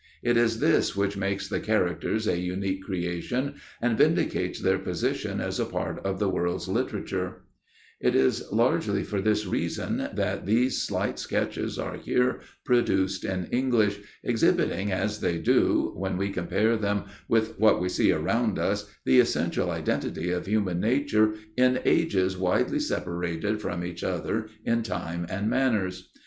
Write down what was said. It is this which makes The Characters a unique creation and vindicates their position as a part of the world's literature. [Sidenote: The Earliest Attempt at Character writing] It is largely for this reason that these slight sketches are here produced in English, exhibiting as they do, when we compare them with what we see around us, the essential identity of human nature in ages widely separated from each other in time and manners.